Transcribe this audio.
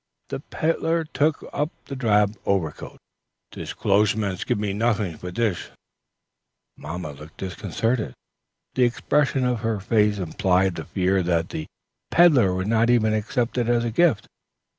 The peddler took up the drab overcoat. "Te closhesman's give noting for dish." Mamma looked disconcerted. The expression of her face implied the fear that the peddler would not even accept it as a gift.